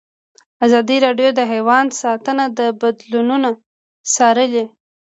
ازادي راډیو د حیوان ساتنه بدلونونه څارلي.